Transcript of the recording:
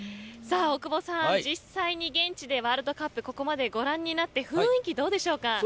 大久保さん、実際に現地でワールドカップをここまでご覧になって雰囲気、どうでしょうか。